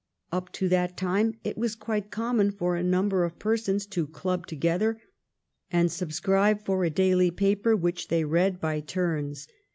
Up to that time it was quite common for a number of persons to club together and subscribe for a daily paper, which they read by turns.